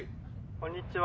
こんにちは。